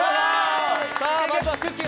まずは、くっきー！